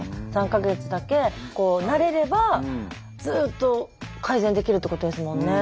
３か月だけ慣れればずっと改善できるってことですもんね。